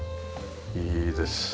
いいです。